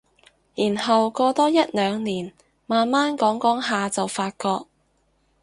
然後過多一兩年慢慢講講下就發覺